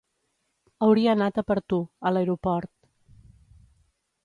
Hauria anat a per tu, a l'aeroport...